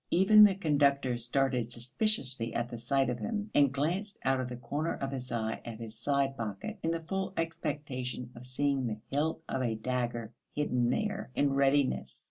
Even the conductor started suspiciously at the sight of him, and glanced out of the corner of his eye at his side pocket in the full expectation of seeing the hilt of a dagger hidden there in readiness.